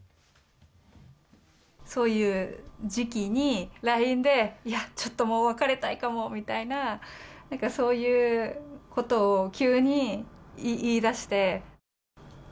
そういう時期に、ＬＩＮＥでいや、ちょっともう別れたいかもみたいな、なんかそういうことを急に言いだして。